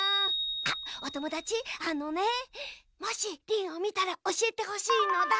あっおともだちあのねもしリンをみたらおしえてほしいのだ。